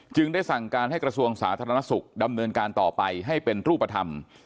ได้สั่งการให้กระทรวงสาธารณสุขดำเนินการต่อไปให้เป็นรูปธรรม